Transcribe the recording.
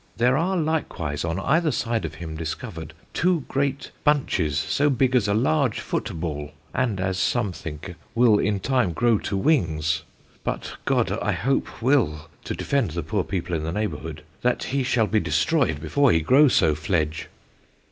There are likewise on either side of him discovered, two great bunches so big as a large foote ball, and (as some thinke) will in time grow to wings; but God, I hope, will (to defend the poor people in the neighbourhood) that he shall be destroyed before he grow so fledge.